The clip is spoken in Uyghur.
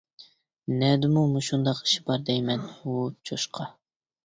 نەدىمۇ مۇشۇنداق ئىش بار دەيمەن. ۋۇ چوشقا!